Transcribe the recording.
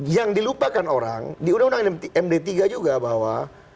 yang dilupakan orang diundang undang md tiga juga bahwa